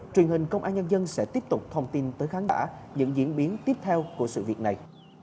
truyền hình công an nhân dân sẽ tiếp tục thông tin tới khán giả những diễn biến tiếp theo của sự việc này